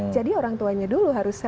jadi orang tuanya dulu harus selesai